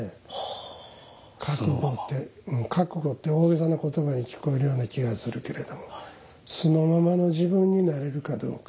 覚悟って大げさな言葉に聞こえるような気がするけれども素のままの自分になれるかどうか。